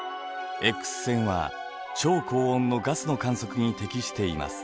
Ｘ線は超高温のガスの観測に適しています。